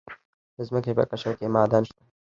د ځمکې په قشر کې معادن شته.